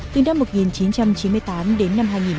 từ năm một nghìn chín trăm chín mươi tám đến năm hai nghìn một mươi bảy